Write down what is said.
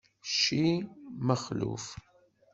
Cci, mexluf.